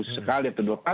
sekali atau dua